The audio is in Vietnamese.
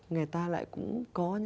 người ta nhận con và người ta khẳng định